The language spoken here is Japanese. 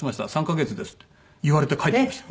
「３カ月です」って言われて帰ってきました。